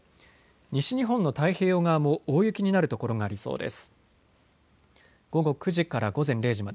西日本の太平洋側も大雪になる所がありそうです。